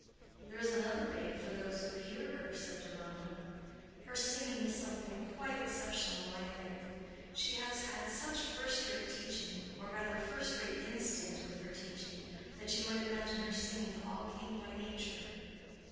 "There is another bait for those who hear her," said Deronda. "Her singing is something quite exceptional, I think. She has had such first rate teaching—or rather first rate instinct with her teaching—that you might imagine her singing all came by nature."